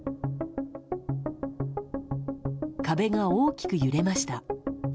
壁が大きく揺れました。